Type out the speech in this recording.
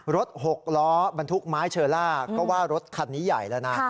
หกล้อบรรทุกไม้เชอล่าก็ว่ารถคันนี้ใหญ่แล้วนะ